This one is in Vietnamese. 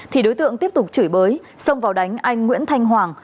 thì đối tượng tiếp tục chửi bới xông vào đánh anh nguyễn thanh hoàng